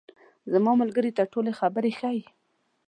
زما ملګري ته ټولې خبرې ښیې.